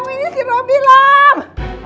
kayak gini dong